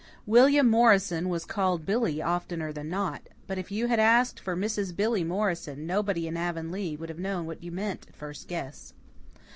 William Morrison was called Billy oftener than not; but, if you had asked for Mrs. Billy Morrison, nobody in Avonlea would have known what you meant at first guess.